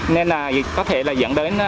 nên có thể dẫn đến